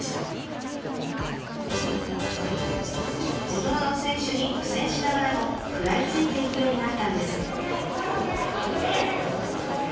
大人の選手に苦戦しながらも食らいついていくようになったんです。